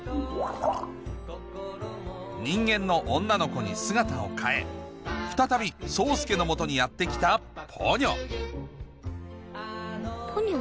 人間の女の子に姿を変え再び宗介の元にやって来たポニョポニョ？